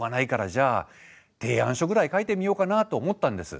じゃあ提案書ぐらい書いてみようかなと思ったんです。